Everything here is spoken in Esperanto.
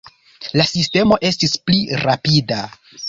La sistemo estis pli rapida.